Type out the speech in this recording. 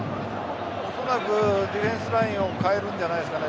恐らくディフェンスラインを代えるんじゃないんでしょうか。